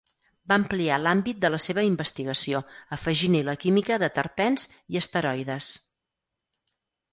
Va ampliar l'àmbit de la seva investigació, afegint-hi la química de terpens i esteroides.